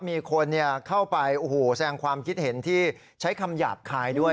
มีคนเข้าไปโอ้โหแสดงความคิดเห็นที่ใช้คำหยาบคายด้วย